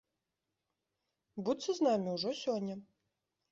Будзьце з намі ўжо сёння!